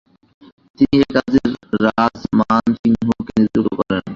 তিনি এ কাজে রাজ মান সিংহকে নিযুক্ত করেন।